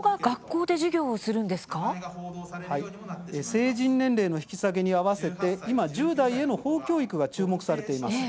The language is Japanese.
成人年齢の引き下げにあわせて今、１０代への法教育が注目されています。